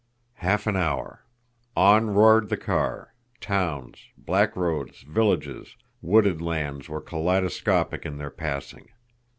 Half an hour! On roared the car towns, black roads, villages, wooded lands were kaleidoscopic in their passing.